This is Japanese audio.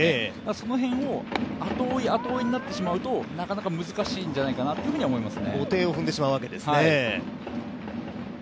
その辺を後追い、後追いになってしまうとなかなか難しいんじゃないかと思うんです。